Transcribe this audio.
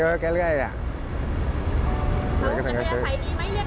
คะอัภยากาศก็ดีไหมเรียกเป็นทหารยังไงดีไหมคะ